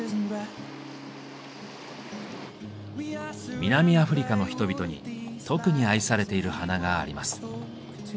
南アフリカの人々に特に愛されている花があります。